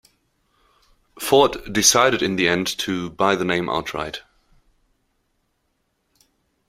Ford decided in the end to buy the name outright.